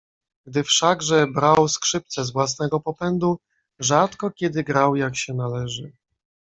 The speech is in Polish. "Gdy wszakże brał skrzypce z własnego popędu rzadko kiedy grał jak się należy."